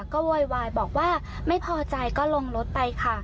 ก็โวยวายบอกว่าไม่พอใจก็ลงรถไปค่ะ